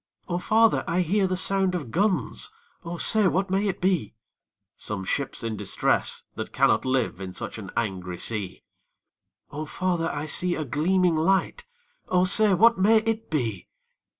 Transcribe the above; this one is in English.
'O father! I hear the sound of guns, O say, what may it be?' 'Some ship in distress that cannot live In such an angry sea!' 'O father! I see a gleaming light, O say, what may it be?'